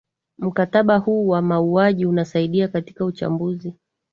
mkataba huu wa mauaji unasaidia katika uchambuzi